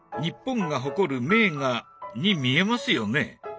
日本が誇る名画に見えますよね？